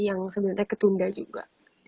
yang sebenarnya ketunda juga